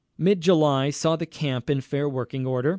Mid July saw the camp in fair working order.